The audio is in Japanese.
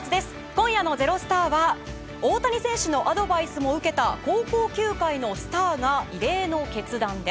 今夜の「＃ｚｅｒｏｓｔａｒ」は大谷選手のアドバイスも受けた高校球界のスターが異例の決断。